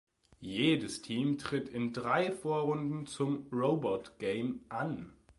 Jedes Team tritt in drei Vorrunden zum Robot-Game an.